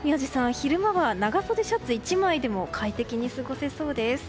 昼間は長袖シャツ１枚でも快適に過ごせそうです。